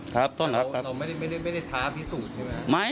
แต่เราไม่ได้ท้าพิสูจน์ใช่ไหม